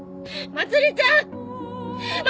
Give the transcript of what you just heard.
まつりちゃん！